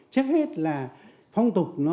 trước hết là phong tục nó